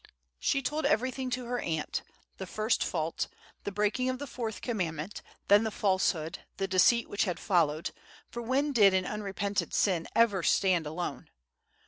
She told everything to her aunt—the first fault, the breaking of the fourth commandment; then the falsehood, the deceit which had followed, for when did an unrepented sin ever stand alone!